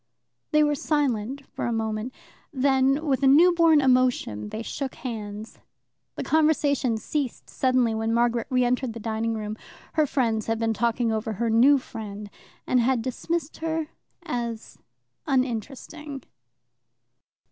They were silent for a moment. Then, with a newborn emotion, they shook hands. The conversation ceased suddenly when Margaret re entered the dining room: her friends had been talking over her new friend, and had dismissed her as uninteresting.